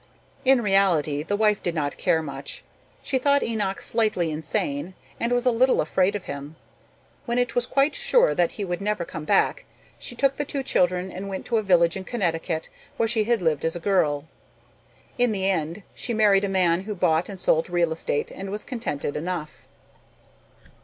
In reality the wife did not care much. She thought Enoch slightly insane and was a little afraid of him. When it was quite sure that he would never come back, she took the two children and went to a village in Connecticut where she had lived as a girl. In the end she married a man who bought and sold real estate and was contented enough.